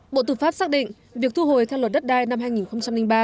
bộ tư pháp xác định việc thu hồi theo luật đất đai năm hai nghìn ba